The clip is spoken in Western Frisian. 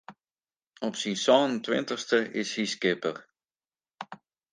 Op syn sân en tweintichste is hy skipper.